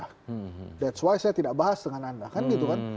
that's why saya tidak bahas dengan anda kan gitu kan